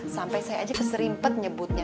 sampai saya aja keserimpet nyebutnya